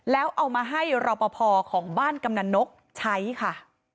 แล้วเอามาให้รอปภของบ้านกำนันนกใช้ค่ะ